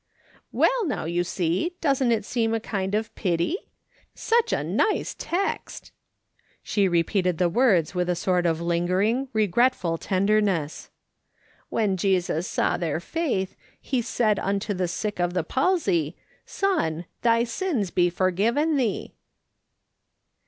." Well, now, you see, doesn't it seem a kind a pity ? such a nice text !" She repeated the words with a sort of lingering, regretful tenderness :"' When Jesus saw their faith, he said imto the sick of the palsy, Son, thy sins be forgiven thee.'